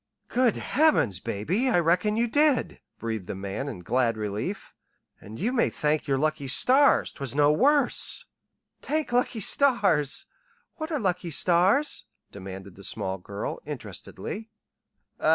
"Good heavens, baby, I reckon you did!" breathed the man in glad relief. "And you may thank your lucky stars 'twas no worse." "T'ank lucky stars. What are lucky stars?" demanded the small girl, interestedly.